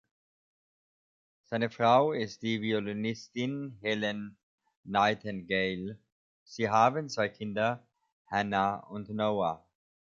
Seine Frau ist die Violinistin Helen Nightengale; sie haben zwei Kinder, Hanna und Noah.